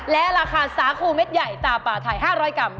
และราคาสาคูเม็ดใหญ่ตาป่าไทย๕๐๐กรัม